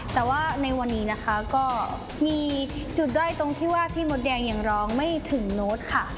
แต่ว่าในวันนี้นะคะก็มีจุดด้อยตรงที่ว่าพี่มดแดงยังร้องไม่ถึงโน้ตค่ะ